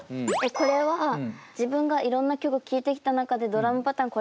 これは自分がいろんな曲聴いてきた中でドラムパターン